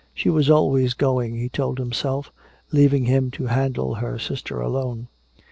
She was always going, he told himself, leaving him to handle her sister alone.